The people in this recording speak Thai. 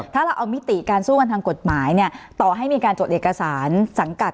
ถ้าเราเอามิติการสู้กันทางกฎหมายเนี่ยต่อให้มีการจดเอกสารสังกัด